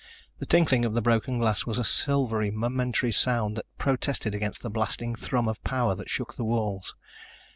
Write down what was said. The tinkling of the broken glass was a silvery, momentary sound that protested against the blasting thrum of power that shook the walls.